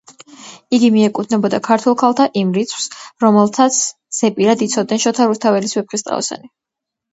იგი მიეკუთვნებოდა ქართველ ქალთა იმ რიცხვს, რომელთაც ზეპირად იცოდნენ შოთა რუსთაველის „ვეფხისტყაოსანი“.